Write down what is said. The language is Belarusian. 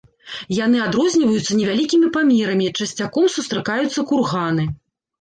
Яны адрозніваюцца невялікімі памерамі, часцяком сустракаюцца курганы.